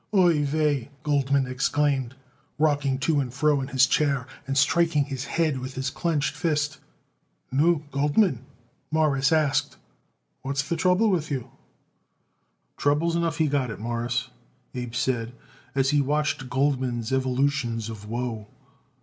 "Ai vai!" Goldman exclaimed, rocking to and fro in his chair and striking his head with his clenched fist. "Nu Goldman?" Morris asked. "What's the trouble with you?" "Troubles enough he got it, Mawruss," Abe said, as he watched Goldman's evolutions of woe.